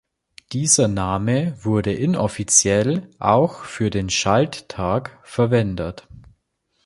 Dieser Name wurde inoffiziell auch für den Schalttag verwendet.